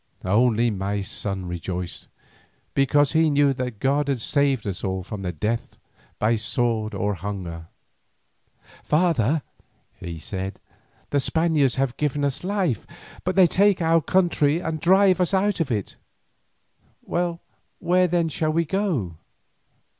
Only my son rejoiced, because he knew that God had saved us all from death by sword or hunger. "Father," he said, "the Spaniards have given us life, but they take our country and drive us out of it. Where then shall we go?"